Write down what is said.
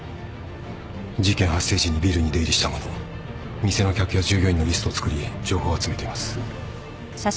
事件発生時にビルに出入りした者店の客や従業員のリストを作り情報を集めています。